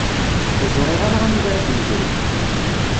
Ur ẓriɣ ara anida ara d-negri.